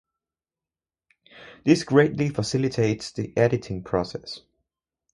This greatly facilitates the editing process.